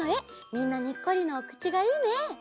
みんなにっこりのおくちがいいね。